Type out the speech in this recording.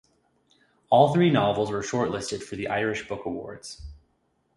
All three novels were shortlisted for the Irish Book Awards.